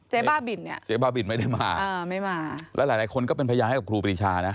บ้าบินเนี่ยเจ๊บ้าบินไม่ได้มาอ่าไม่มาแล้วหลายคนก็เป็นพยานให้กับครูปรีชานะ